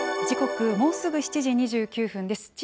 時刻、もうすぐ７時２９分です。